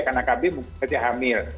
karena kb maksudnya hamil